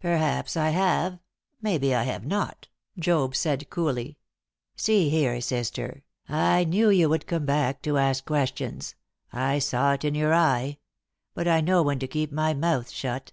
"Perhaps I have; maybe I have not," Job said, coolly. "See here, sister, I knew you would come back to ask questions. I saw it in your eye; but I know when to keep my mouth shut."